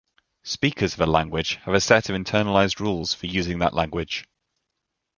Speakers of a language have a set of internalized rules for using that language.